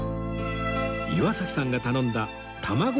岩崎さんが頼んだ玉子